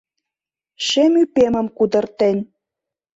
Шем ӱпемым кудыртен